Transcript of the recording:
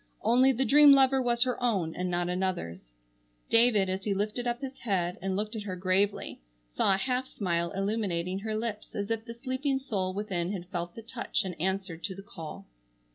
Only the dream lover was her own and not another's. David, as he lifted up his head and looked at her gravely, saw a half smile illuminating her lips as if the sleeping soul within had felt the touch and answered to the call.